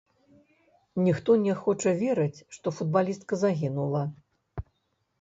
Ніхто не хоча верыць, што футбалістка загінула.